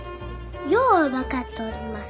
よう分かっとります。